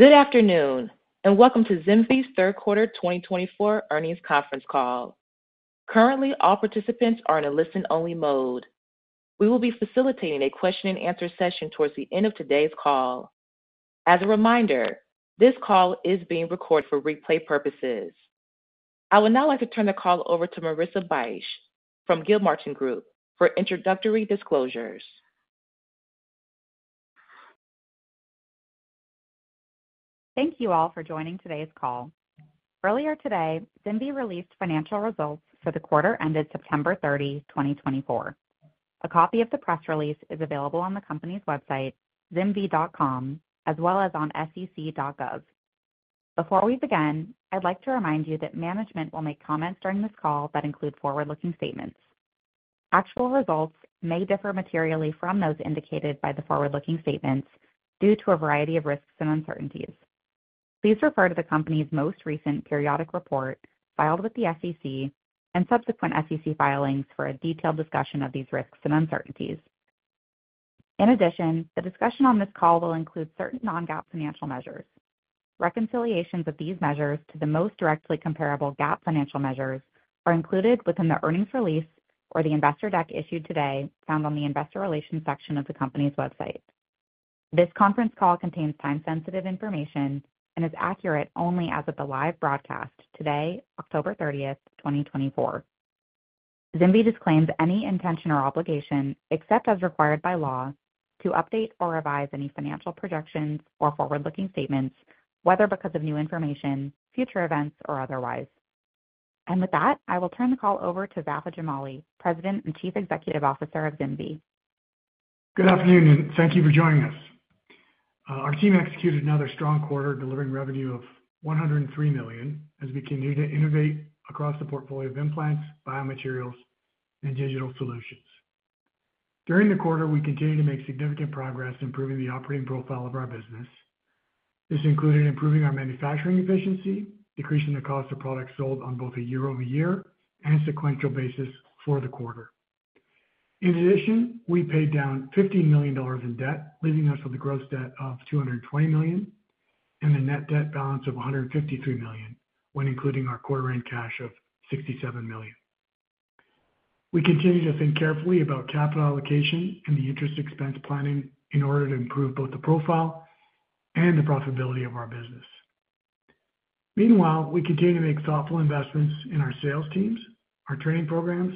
Good afternoon, and welcome to ZimVie's Third Quarter 2024 Earnings Conference Call. Currently, all participants are in a listen-only mode. We will be facilitating a question-and-answer session towards the end of today's call. As a reminder, this call is being recorded for replay purposes. I would now like to turn the call over to Marissa Bych from Gilmartin Group for introductory disclosures. Thank you all for joining today's call. Earlier today, ZimVie released financial results for the quarter ended September 30, 2024. A copy of the press release is available on the company's website, zimvie.com, as well as on sec.gov. Before we begin, I'd like to remind you that management will make comments during this call that include forward-looking statements. Actual results may differ materially from those indicated by the forward-looking statements due to a variety of risks and uncertainties. Please refer to the company's most recent periodic report filed with the SEC and subsequent SEC filings for a detailed discussion of these risks and uncertainties. In addition, the discussion on this call will include certain non-GAAP financial measures. Reconciliations of these measures to the most directly comparable GAAP financial measures are included within the earnings release or the investor deck issued today found on the Investor Relations section of the company's website. This conference call contains time-sensitive information and is accurate only as of the live broadcast today, October 30th, 2024. ZimVie disclaims any intention or obligation, except as required by law, to update or revise any financial projections or forward-looking statements, whether because of new information, future events, or otherwise. And with that, I will turn the call over to Vafa Jamali, President and Chief Executive Officer of ZimVie. Good afternoon, and thank you for joining us. Our team executed another strong quarter delivering revenue of $103 million, as we continue to innovate across the portfolio of implants, biomaterials, and digital solutions. During the quarter, we continued to make significant progress improving the operating profile of our business. This included improving our manufacturing efficiency, decreasing the cost of products sold on both a year-over-year and sequential basis for the quarter. In addition, we paid down $15 million in debt, leaving us with a gross debt of $220 million and a net debt balance of $153 million, when including our quarter-end cash of $67 million. We continue to think carefully about capital allocation and the interest expense planning in order to improve both the profile and the profitability of our business. Meanwhile, we continue to make thoughtful investments in our sales teams, our training programs,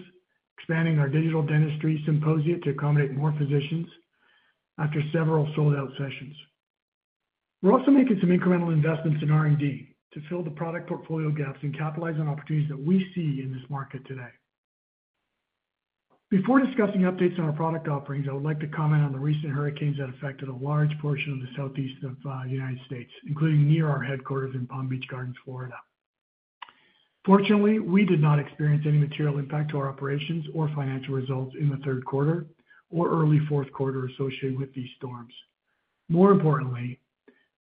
expanding our digital dentistry symposia to accommodate more physicians after several sold-out sessions. We're also making some incremental investments in R&D to fill the product portfolio gaps and capitalize on opportunities that we see in this market today. Before discussing updates on our product offerings, I would like to comment on the recent hurricanes that affected a large portion of the Southeast of the United States, including near our headquarters in Palm Beach Gardens, Florida. Fortunately, we did not experience any material impact to our operations or financial results in the third quarter or early fourth quarter associated with these storms. More importantly,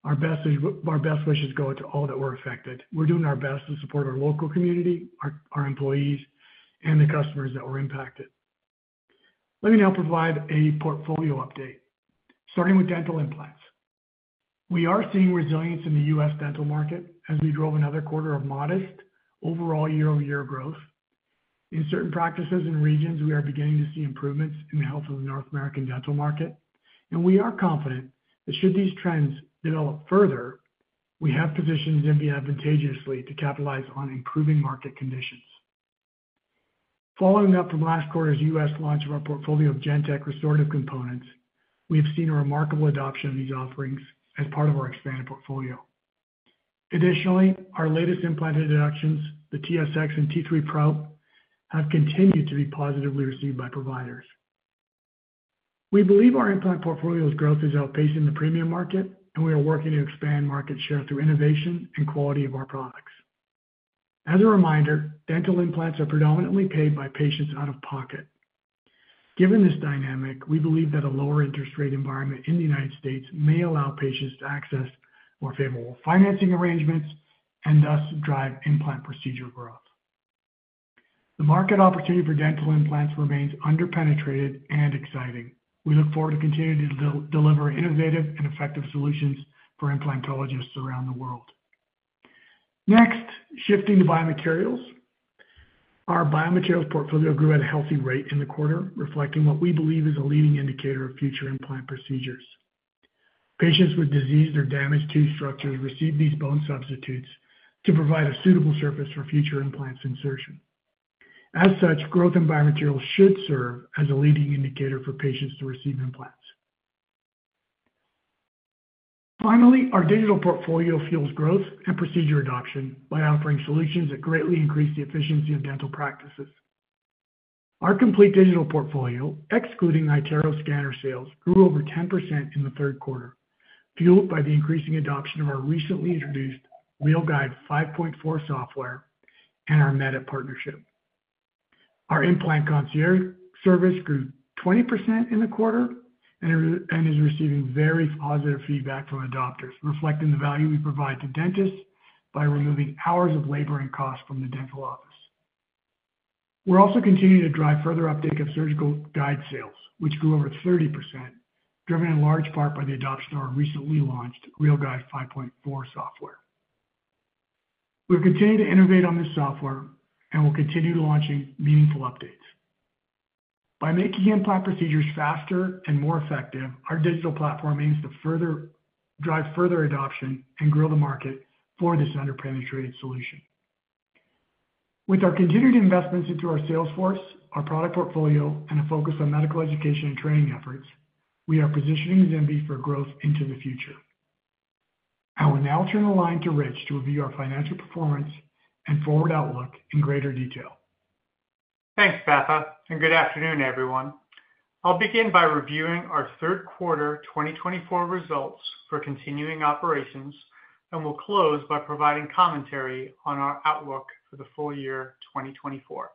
our best wishes go to all that were affected. We're doing our best to support our local community, our employees, and the customers that were impacted. Let me now provide a portfolio update, starting with Dental Implants. We are seeing resilience in the U.S. dental market as we drove another quarter of modest overall year-over-year growth. In certain practices and regions, we are beginning to see improvements in the health of the North American dental market, and we are confident that should these trends develop further, we have positioned ZimVie advantageously to capitalize on improving market conditions. Following up from last quarter's U.S. launch of our portfolio of GenTek restorative components, we have seen a remarkable adoption of these offerings as part of our expanded portfolio. Additionally, our latest implant introductions, the TSX and T3 PRO, have continued to be positively received by providers. We believe our implant portfolio's growth is outpacing the premium market, and we are working to expand market share through innovation and quality of our products. As a reminder, dental implants are predominantly paid by patients out of pocket. Given this dynamic, we believe that a lower interest rate environment in the United States may allow patients to access more favorable financing arrangements and thus drive implant procedure growth. The market opportunity for dental implants remains underpenetrated and exciting. We look forward to continuing to deliver innovative and effective solutions for implantologists around the world. Next, shifting to Biomaterials, our Biomaterials portfolio grew at a healthy rate in the quarter, reflecting what we believe is a leading indicator of future implant procedures. Patients with diseased or damaged tooth structures receive these bone substitutes to provide a suitable surface for future implants insertion. As such, growth in Biomaterials should serve as a leading indicator for patients to receive implants. Finally, our Digital portfolio fuels growth and procedure adoption by offering solutions that greatly increase the efficiency of dental practices. Our complete Digital portfolio, excluding iTero scanner sales, grew over 10% in the third quarter, fueled by the increasing adoption of our recently introduced RealGUIDE 5.4 software and our Medit partnership. Our Implant Concierge service grew 20% in the quarter and is receiving very positive feedback from adopters, reflecting the value we provide to dentists by removing hours of labor and cost from the dental office. We're also continuing to drive further uptake of surgical guide sales, which grew over 30%, driven in large part by the adoption of our recently launched RealGUIDE 5.4 software. We'll continue to innovate on this software and will continue launching meaningful updates. By making implant procedures faster and more effective, our digital platform aims to drive further adoption and grow the market for this underpenetrated solution. With our continued investments into our sales force, our product portfolio, and a focus on medical education and training efforts, we are positioning ZimVie for growth into the future. I will now turn the line to Rich to review our financial performance and forward outlook in greater detail. Thanks, Vafa, and good afternoon, everyone. I'll begin by reviewing our third quarter 2024 results for continuing operations and will close by providing commentary on our outlook for the full year 2024.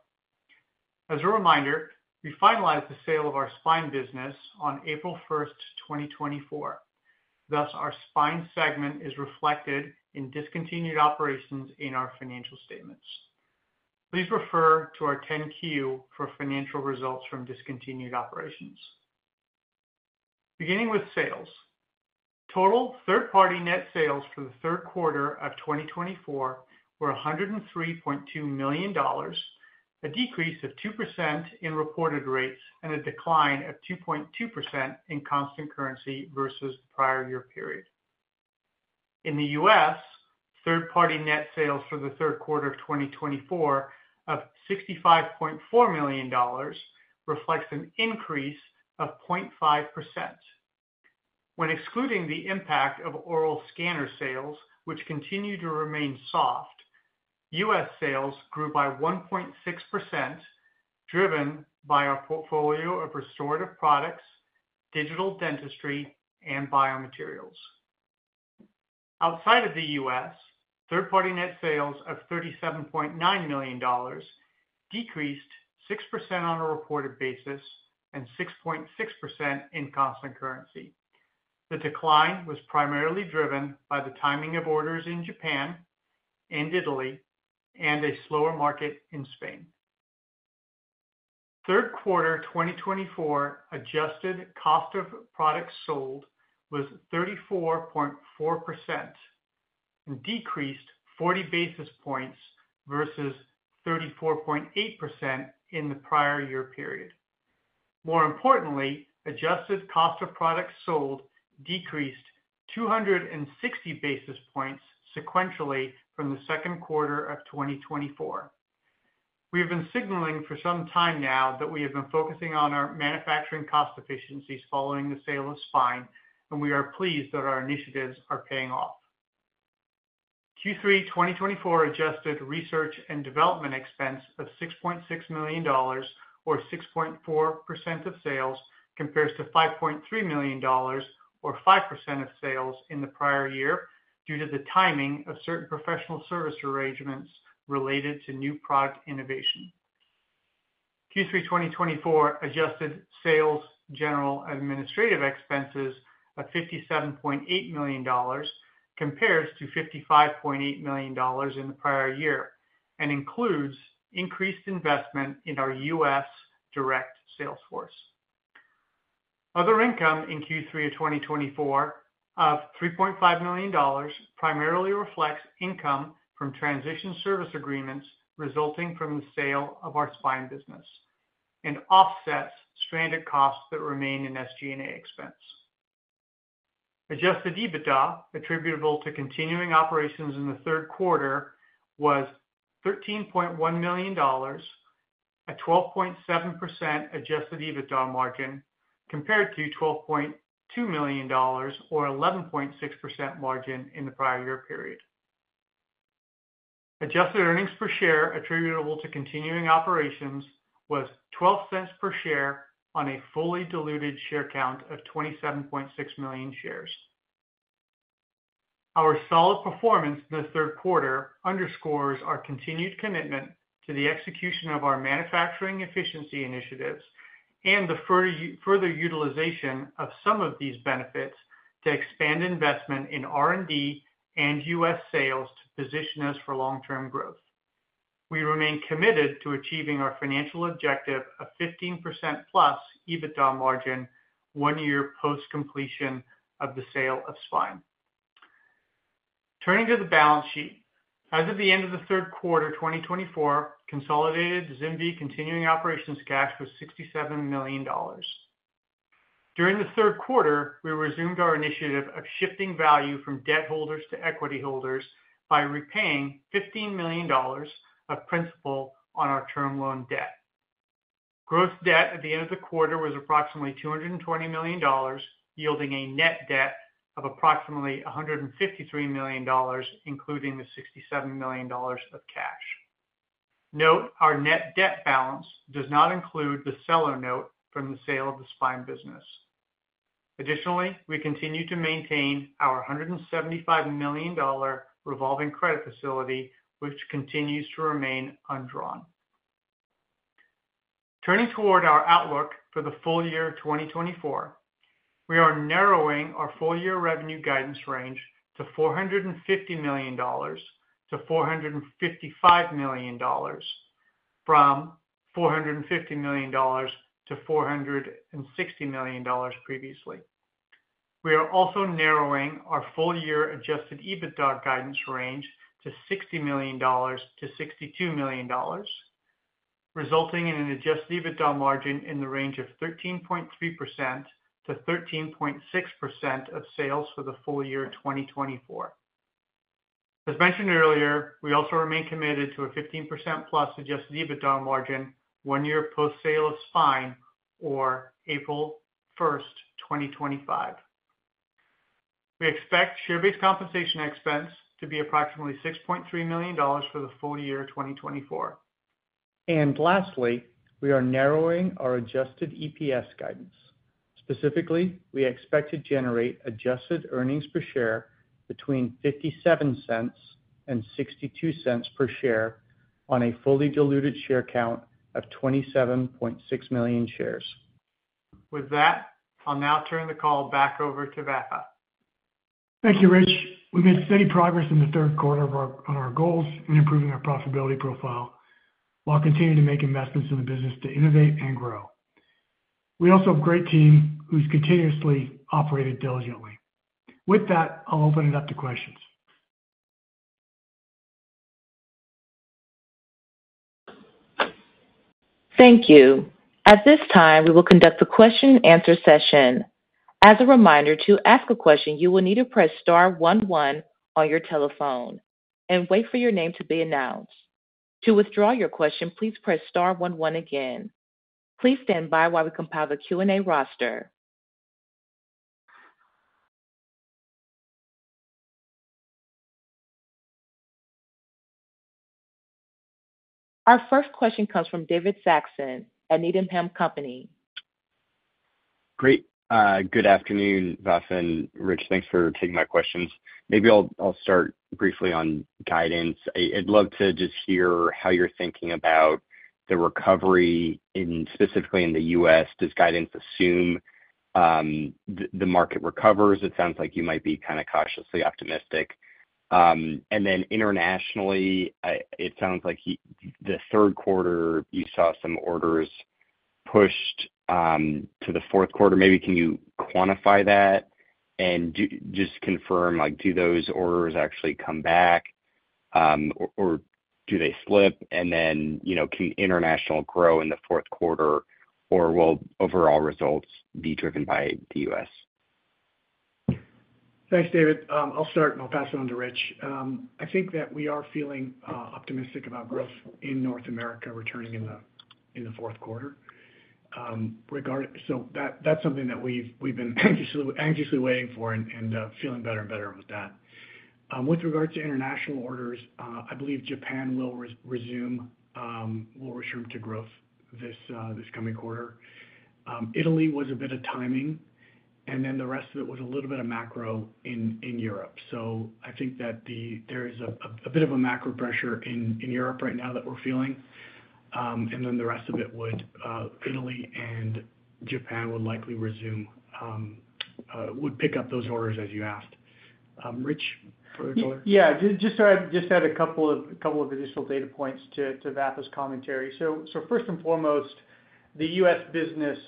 As a reminder, we finalized the sale of our Spine business on April 1st, 2024. Thus, our Spine segment is reflected in discontinued operations in our financial statements. Please refer to our 10-Q for financial results from discontinued operations. Beginning with sales, total third-party net sales for the third quarter of 2024 were $103.2 million, a decrease of 2% in reported rates and a decline of 2.2% in constant currency versus the prior year period. In the U.S., third-party net sales for the third quarter of 2024 of $65.4 million reflects an increase of 0.5%. When excluding the impact of oral scanner sales, which continue to remain soft. U.S. sales grew by 1.6%, driven by our portfolio of Restorative products, Digital dentistry, and Biomaterials. Outside of the U.S., third-party net sales of $37.9 million decreased 6% on a reported basis and 6.6% in constant currency. The decline was primarily driven by the timing of orders in Japan and Italy, and a slower market in Spain. Third quarter 2024 adjusted cost of products sold was 34.4% and decreased 40 basis points versus 34.8% in the prior year period. More importantly, adjusted cost of products sold decreased 260 basis points sequentially from the second quarter of 2024. We have been signaling for some time now that we have been focusing on our manufacturing cost efficiencies following the sale of Spine, and we are pleased that our initiatives are paying off. Q3 2024 adjusted research and development expense of $6.6 million, or 6.4% of sales, compares to $5.3 million, or 5% of sales, in the prior year due to the timing of certain professional service arrangements related to new product innovation. Q3 2024 adjusted sales general administrative expenses of $57.8 million compares to $55.8 million in the prior year, and includes increased investment in our U.S. direct sales force. Other income in Q3 of 2024 of $3.5 million primarily reflects income from Transition Service Agreements resulting from the sale of our spine business and offsets stranded costs that remain in SG&A expense. Adjusted EBITDA attributable to continuing operations in the third quarter was $13.1 million, a 12.7% adjusted EBITDA margin compared to $12.2 million, or 11.6% margin in the prior year period. Adjusted earnings per share attributable to continuing operations was $0.12 per share on a fully diluted share count of 27.6 million shares. Our solid performance in the third quarter underscores our continued commitment to the execution of our manufacturing efficiency initiatives and the further utilization of some of these benefits to expand investment in R&D and U.S. sales to position us for long-term growth. We remain committed to achieving our financial objective of 15% plus EBITDA margin one year post-completion of the sale of Spine. Turning to the balance sheet, as of the end of the third quarter 2024, consolidated ZimVie continuing operations cash was $67 million. During the third quarter, we resumed our initiative of shifting value from debt holders to equity holders by repaying $15 million of principal on our term loan debt. Gross debt at the end of the quarter was approximately $220 million, yielding a net debt of approximately $153 million, including the $67 million of cash. Note, our net debt balance does not include the seller note from the sale of the Spine business. Additionally, we continue to maintain our $175 million revolving credit facility, which continues to remain undrawn. Turning toward our outlook for the full year 2024, we are narrowing our full year revenue guidance range to $450 million-$455 million from $450 million-$460 million previously. We are also narrowing our full year Adjusted EBITDA guidance range to $60 million-$62 million, resulting in an Adjusted EBITDA margin in the range of 13.3%-13.6% of sales for the full year 2024. As mentioned earlier, we also remain committed to a 15%+ adjusted EBITDA margin one year post-sale of spine, or April 1st, 2025. We expect share-based compensation expense to be approximately $6.3 million for the full year 2024. And lastly, we are narrowing our adjusted EPS guidance. Specifically, we expect to generate adjusted earnings per share between $0.57 and $0.62 per share on a fully diluted share count of 27.6 million shares. With that, I'll now turn the call back over to Vafa. Thank you, Rich. We made steady progress in the third quarter on our goals in improving our profitability profile while continuing to make investments in the business to innovate and grow. We also have a great team who's continuously operated diligently. With that, I'll open it up to questions. Thank you. At this time, we will conduct the question-and-answer session. As a reminder, to ask a question, you will need to press star one one on your telephone and wait for your name to be announced. To withdraw your question, please press star one one again. Please stand by while we compile the Q&A roster. Our first question comes from David Saxon at Needham & Company. Great. Good afternoon, Vafa and Rich. Thanks for taking my questions. Maybe I'll start briefly on guidance. I'd love to just hear how you're thinking about the recovery specifically in the U.S. Does guidance assume the market recovers? It sounds like you might be kind of cautiously optimistic. And then internationally, it sounds like the third quarter, you saw some orders pushed to the fourth quarter. Maybe can you quantify that and just confirm, do those orders actually come back, or do they slip? And then can international grow in the fourth quarter, or will overall results be driven by the U.S.? Thanks, David. I'll start and I'll pass it on to Rich. I think that we are feeling optimistic about growth in North America returning in the fourth quarter. So, that's something that we've been anxiously waiting for and feeling better and better with that. With regard to international orders, I believe Japan will resume to growth this coming quarter. Italy was a bit of timing, and then the rest of it was a little bit of macro in Europe. So I think that there is a bit of a macro pressure in Europe right now that we're feeling. And then the rest of it would Italy and Japan would likely resume, would pick up those orders as you asked. Rich, further color? Yeah. Just add a couple of additional data points to Vafa's commentary. So first and foremost, the U.S. business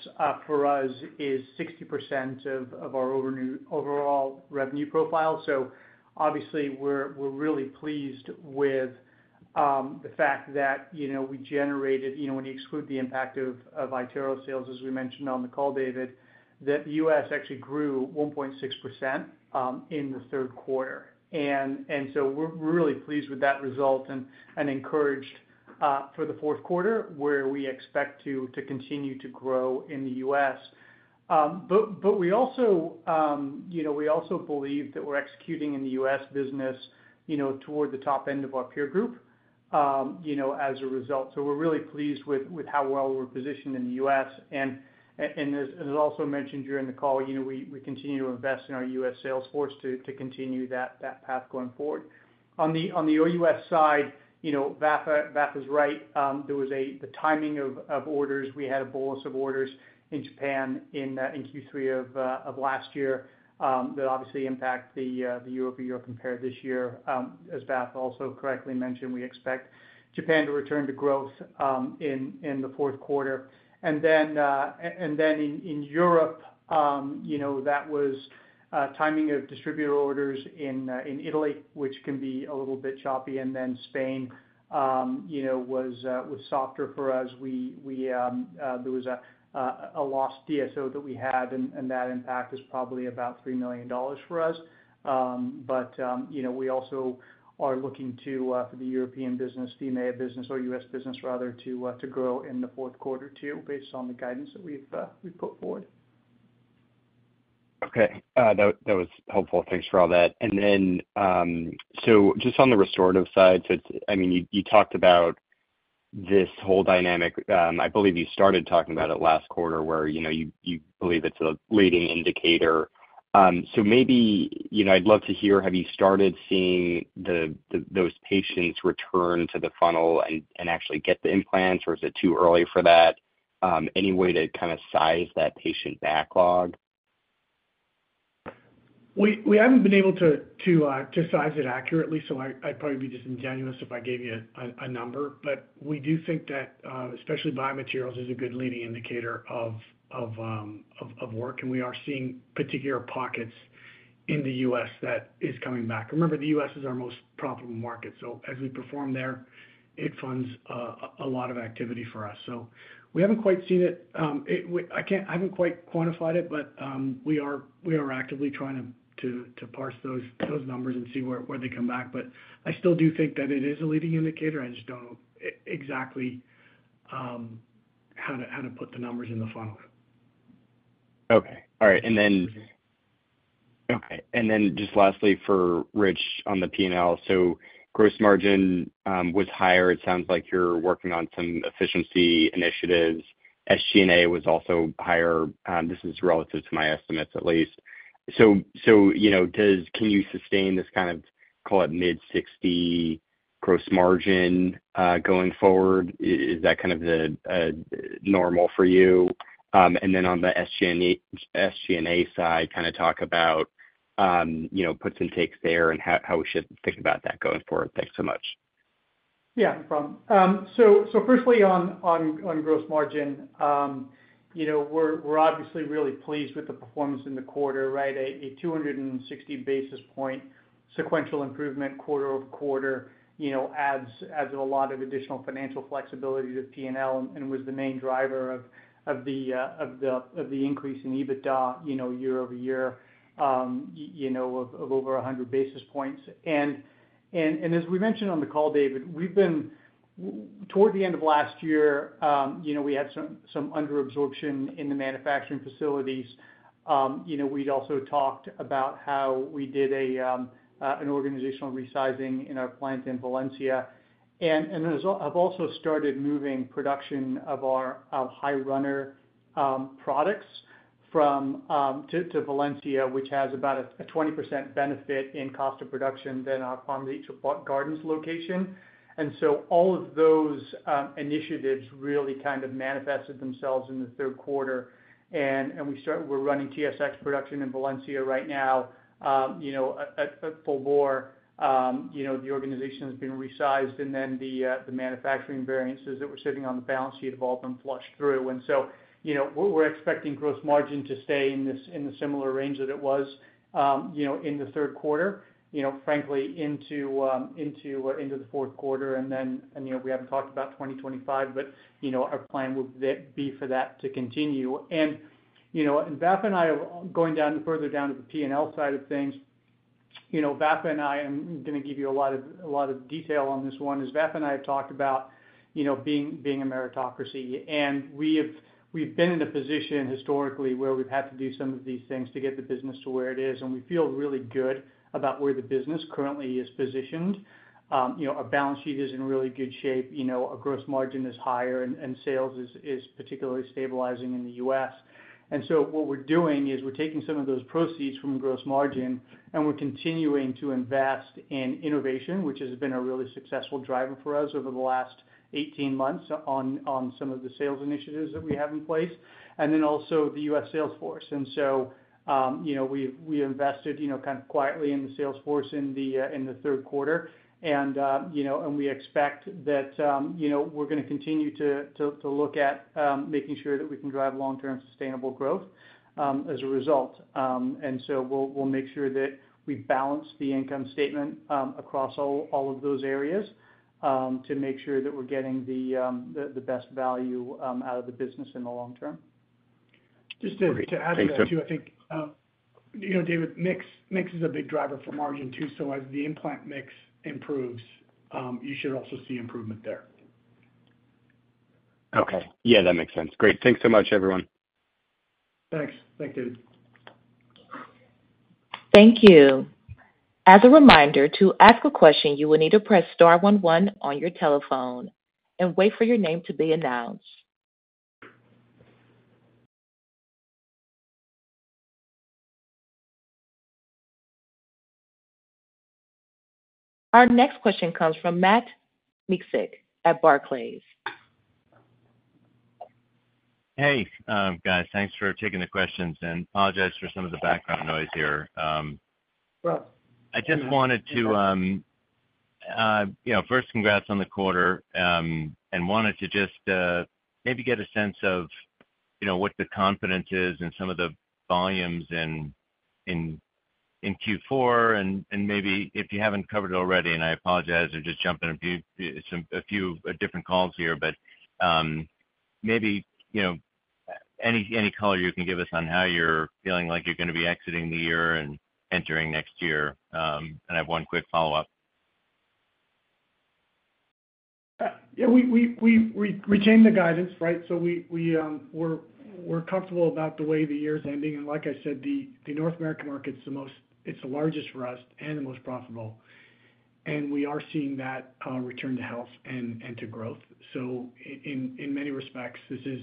for us is 60% of our overall revenue profile, so obviously, we're really pleased with the fact that we generated, when you exclude the impact of iTero sales, as we mentioned on the call, David, that the U.S. actually grew 1.6% in the third quarter. And so we're really pleased with that result and encouraged for the fourth quarter, where we expect to continue to grow in the U.S., but we also believe that we're executing in the U.S. business toward the top end of our peer group as a result, so we're really pleased with how well we're positioned in the U.S., and as also mentioned during the call, we continue to invest in our U.S. sales force to continue that path going forward. On the U.S. side, Vafa is right. There was the timing of orders. We had a bolus of orders in Japan in Q3 of last year that obviously impacted the year-over-year compared this year. As Vafa also correctly mentioned, we expect Japan to return to growth in the fourth quarter. And then in Europe, that was timing of distributor orders in Italy, which can be a little bit choppy. And then Spain was softer for us. There was a lost DSO that we had, and that impact is probably about $3 million for us. But we also are looking to, for the European business, the business, or U.S. business, rather, to grow in the fourth quarter too, based on the guidance that we've put forward. Okay. That was helpful. Thanks for all that. And then so just on the restorative side, I mean, you talked about this whole dynamic. I believe you started talking about it last quarter, where you believe it's a leading indicator. So maybe I'd love to hear, have you started seeing those patients return to the funnel and actually get the implants, or is it too early for that? Any way to kind of size that patient backlog? We haven't been able to size it accurately, so I'd probably be disingenuous if I gave you a number. But we do think that especially biomaterials is a good leading indicator of work, and we are seeing particular pockets in the U.S. that are coming back. Remember, the U.S. is our most profitable market. So as we perform there, it funds a lot of activity for us. So we haven't quite seen it. I haven't quite quantified it, but we are actively trying to parse those numbers and see where they come back. But I still do think that it is a leading indicator. I just don't know exactly how to put the numbers in the funnel. Okay. All right. And then just lastly for Rich on the P&L, so gross margin was higher. It sounds like you're working on some efficiency initiatives. SG&A was also higher. This is relative to my estimates, at least. So can you sustain this kind of, call it mid-60 gross margin going forward? Is that kind of normal for you? And then on the SG&A side, kind of talk about puts and takes there and how we should think about that going forward. Thanks so much. Yeah. No problem. So firstly, on gross margin, we're obviously really pleased with the performance in the quarter, right? A 260 basis points sequential improvement quarter-over-quarter adds a lot of additional financial flexibility to P&L and was the main driver of the increase in EBITDA year over year of over 100 basis points. And as we mentioned on the call, David, toward the end of last year, we had some under absorption in the manufacturing facilities. We'd also talked about how we did an organizational resizing in our plant in Valencia. And I've also started moving production of our high runner products to Valencia, which has about a 20% benefit in cost of production than our Palm Beach Gardens location. And so all of those initiatives really kind of manifested themselves in the third quarter. And we're running TSX production in Valencia right now at full bore. The organization has been resized, and then the manufacturing variances that were sitting on the balance sheet have all been flushed through. And so we're expecting gross margin to stay in the similar range that it was in the third quarter, frankly, into the fourth quarter. And then we haven't talked about 2025, but our plan would be for that to continue. And Vafa and I are going further down to the P&L side of things. Vafa and I, I'm going to give you a lot of detail on this one, is Vafa and I have talked about being a meritocracy. And we've been in a position historically where we've had to do some of these things to get the business to where it is. And we feel really good about where the business currently is positioned. Our balance sheet is in really good shape. Our gross margin is higher, and sales is particularly stabilizing in the U.S. And so, what we're doing is we're taking some of those proceeds from gross margin, and we're continuing to invest in innovation, which has been a really successful driver for us over the last 18 months on some of the sales initiatives that we have in place. And then also the U.S. sales force. And so, we invested kind of quietly in the sales force in the third quarter. And we expect that we're going to continue to look at making sure that we can drive long-term sustainable growth as a result. And so we'll make sure that we balance the income statement across all of those areas to make sure that we're getting the best value out of the business in the long term. David, mix is a big driver for margin too. So as the implant mix improves, you should also see improvement there. Okay. Yeah, that makes sense. Great. Thanks so much, everyone. Thanks. Thanks, David. Thank you. As a reminder, to ask a question, you will need to press star one one on your telephone and wait for your name to be announced. Our next question comes from Matt Miksic at Barclays. Hey, guys. Thanks for taking the questions and apologize for some of the background noise here. Well. I just wanted to first, congrats on the quarter, and wanted to just maybe get a sense of what the confidence is and some of the volumes in Q4, and maybe if you haven't covered it already, and I apologize for just jumping a few different calls here, but maybe any color you can give us on how you're feeling like you're going to be exiting the year and entering next year? And I have one quick follow-up. Yeah. We retain the guidance, right? So, we're comfortable about the way the year is ending. And like I said, the North American market, it's the largest for us and the most profitable. And we are seeing that return to health and to growth. So in many respects, this is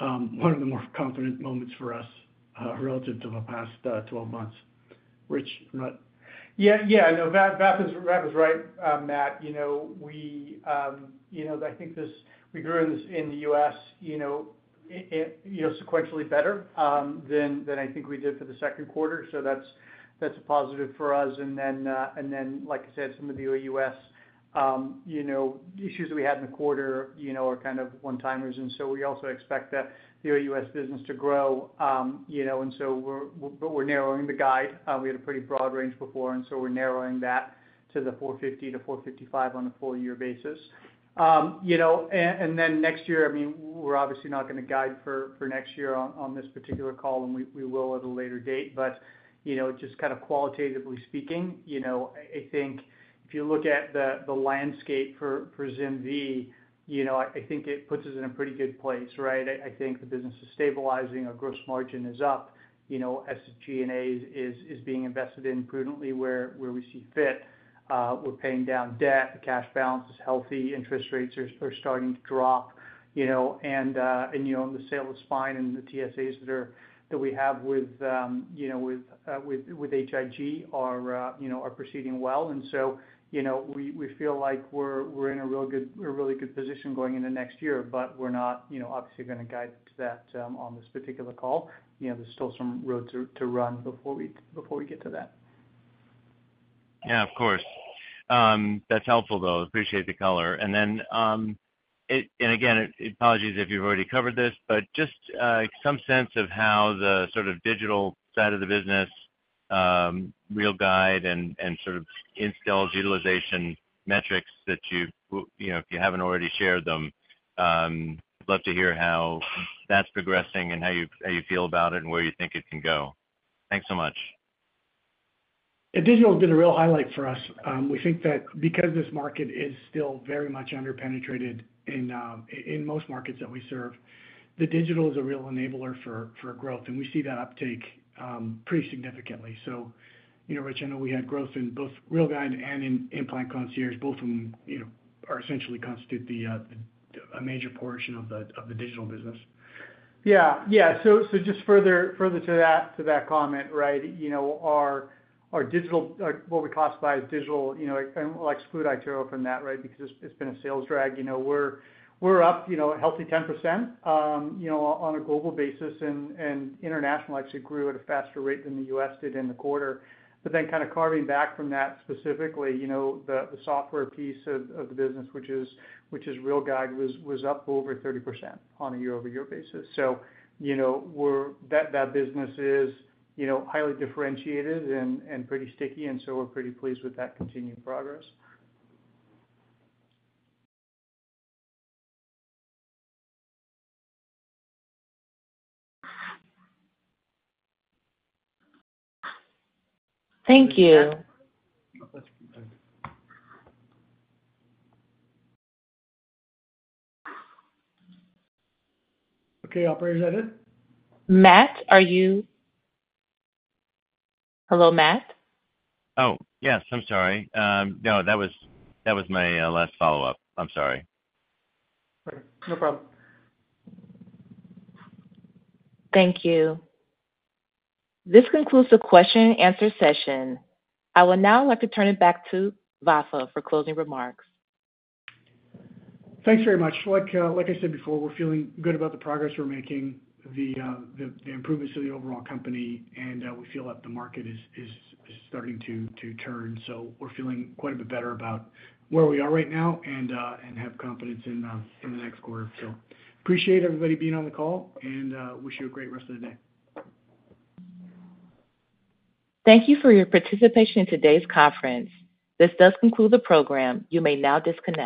one of the more confident moments for us relative to the past 12 months. Rich, I'm not. Yeah, yeah. No, Vafa's right, Matt. We, um, you know I think this we grew in the U.S. sequentially better than I think we did for the second quarter. So, that's a positive for us. And then, like I said, some of the U.S. issues that we had in the quarter are kind of one-timers. And so, we also expect the U.S. business to grow. And so, we're narrowing the guide. We had a pretty broad range before. And so, we're narrowing that to the $450 million-$455 million on a full-year basis. And then next year, I mean, we're obviously not going to guide for next year on this particular call, and we will at a later date. But just kind of qualitatively speaking, I think if you look at the landscape for ZimVie, I think it puts us in a pretty good place, right? I think the business is stabilizing. Our gross margin is up. SG&A is being invested in prudently where we see fit. We're paying down debt. The cash balance is healthy. Interest rates are starting to drop. And the sale of Spine and the TSAs that we have with H.I.G. are proceeding well. And so, we feel like we're in a really good position going into next year, but we're not obviously going to guide to that on this particular call. There's still some road to run before we get to that. Yeah, of course. That's helpful, though. Appreciate the color. And again, apologies if you've already covered this, but just some sense of how the sort of Digital side of the business, RealGUIDE, and sort of its utilization metrics that you, if you haven't already shared them, I'd love to hear how that's progressing and how you feel about it and where you think it can go. Thanks so much. Yeah. Digital has been a real highlight for us. We think that because this market is still very much underpenetrated in most markets that we serve, the Digital is a real enabler for growth, and we see that uptake pretty significantly, so Rich and I know we had growth in both RealGUIDE and in Implant Concierge. Both of them essentially constitute a major portion of the Digital business. Yeah. Yeah. So just further to that comment, right, our Digital—what we classify as Digital—and we'll exclude iTero from that, right, because it's been a sales drag. We're up a healthy 10% on a global basis, and international actually grew at a faster rate than the U.S. did in the quarter. But then kind of carving back from that specifically, the software piece of the business, which is RealGUIDE, was up over 30% on a year-over-year basis. So, that business is highly differentiated and pretty sticky. And so, we're pretty pleased with that continued progress. Thank you. Okay. Operator, is that it? Matt, are you? Hello, Matt? Oh, yes. I'm sorry. No, that was my last follow-up. I'm sorry. No problem. Thank you. This concludes the question-and-answer session. I will now like to turn it back to Vafa for closing remarks. Thanks very much. Like I said before, we're feeling good about the progress we're making, the improvements to the overall company, and we feel that the market is starting to turn, so we're feeling quite a bit better about where we are right now and have confidence in the next quarter, so appreciate everybody being on the call and wish you a great rest of the day. Thank you for your participation in today's conference. This does conclude the program. You may now disconnect.